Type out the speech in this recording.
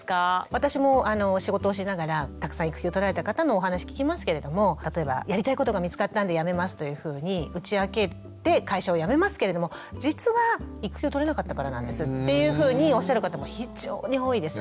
私も仕事をしながらたくさん育休を取られた方のお話聞きますけれども例えばやりたいことが見つかったんで辞めますというふうに打ち明けて会社を辞めますけれども実は育休を取れなかったからなんですっていうふうにおっしゃる方も非常に多いです。